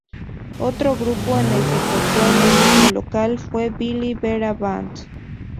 Otro grupo en el que toco en el mismo local fue Billy Vera Band.